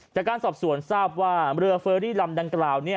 จากการสอบสวนทราบว่าเรือเฟอรี่ลำดังกล่าว